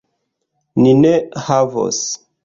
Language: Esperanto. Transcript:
Ni ne havos!